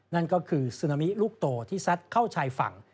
นั่นก็คือซึนามิลูกโตที่ซัดเข้าชายฝั่ง